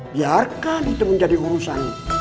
biarkan itu menjadi urusan